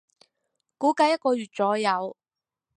估計一個月左右